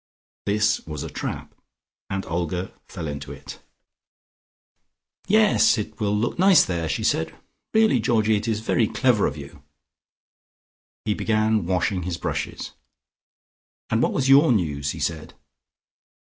This was a trap, and Olga fell into it. "Yes, it will look nice there," she said. "Really, Georgie, it is very clever of you." He began washing his brushes. "And what was your news?" he said.